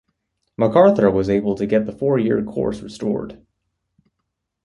MacArthur was able to get the four-year course restored.